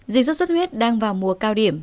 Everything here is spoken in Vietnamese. dịch số suất huyết đang vào mùa cao điểm